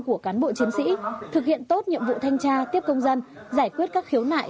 của cán bộ chiến sĩ thực hiện tốt nhiệm vụ thanh tra tiếp công dân giải quyết các khiếu nại